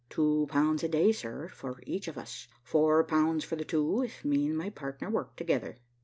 "Two pounds a day, sir, for each of us. Four pounds for the two, if me and my partner work together."